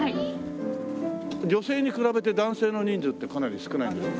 女性に比べて男性の人数ってかなり少ないの？